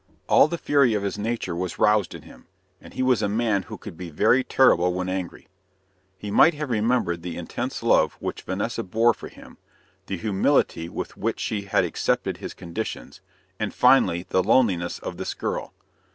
All the fury of his nature was roused in him; and he was a man who could be very terrible when angry. He might have remembered the intense love which Vanessa bore for him, the humility with which she had accepted his conditions, and, finally, the loneliness of this girl.